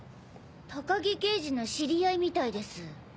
高木刑事の知り合いみたいです。